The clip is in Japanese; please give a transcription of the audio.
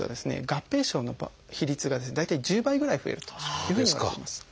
合併症の比率がですね大体１０倍ぐらい増えるというふうにいわれています。